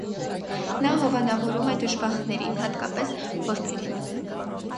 Նա հովանավորում է դժբախտներին, հատկապես որբերին։